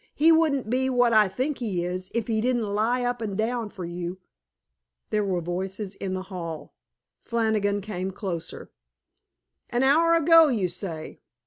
"He wouldn't be what I think he is, if he didn't lie up and down for you." There were voices in the hall. Flannigan came closer. "An hour ago, you say.